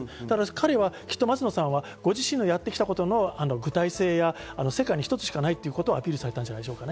彼は松野さんはご自身がやってきたことの具体性や、世界に一つしかないということをアピールされたんじゃないでしょうか。